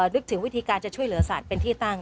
นึกถึงวิธีการจะช่วยเหลือสัตว์เป็นที่ตั้ง